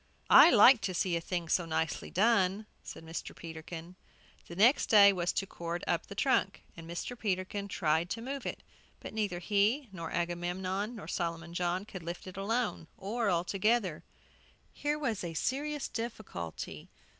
"I like to see a thing so nicely done," said Mr. Peterkin. The next thing was to cord up the trunk, and Mr. Peterkin tried to move it. But neither he, nor Agamemnon, nor Solomon John could lift it alone, or all together. Here was a serious difficulty.